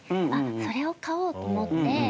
それを買おうと思って。